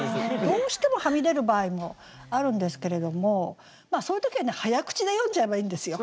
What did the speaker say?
どうしてもはみ出る場合もあるんですけれどもそういう時はね早口で読んじゃえばいいんですよ。